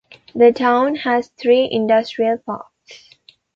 The town has three industrial parks.